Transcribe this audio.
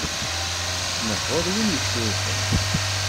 Tnehhuḍ win yeccurfen.